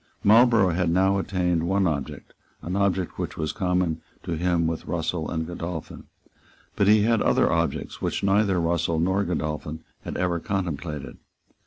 Marlborough had now attained one object, an object which was common to him with Russell and Godolphin. But he had other objects which neither Russell nor Godolphin had ever contemplated.